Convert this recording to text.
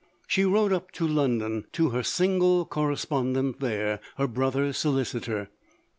She wrote up to London to her single correspondent there, her brother's solicitor.